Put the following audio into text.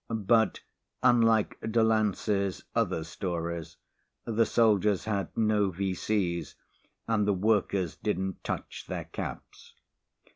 But, unlike Delancey's other stories, the soldiers had no V.C.'s and the workers didn't touch their caps.